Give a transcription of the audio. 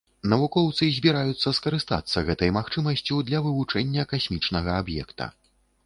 Навукоўцы збіраюцца скарыстацца гэтай магчымасцю для вывучэння касмічнага аб'екта.